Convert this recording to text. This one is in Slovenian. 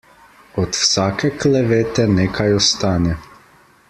Od vsake klevete nekaj ostane.